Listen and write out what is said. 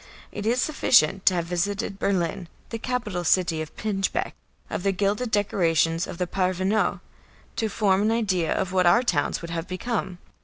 It is sufficient to have visited Berlin, the capital city of pinchbeck, of the gilded decorations of the parvenu, to form an idea of what our towns would have become.